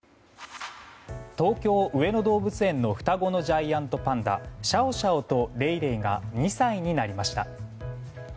東京・上野動物園の双子のジャイアントパンダシャオシャオとレイレイが２歳になりました。